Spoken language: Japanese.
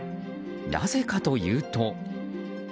なぜかというと。